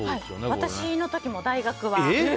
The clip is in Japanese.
私の時も大学は。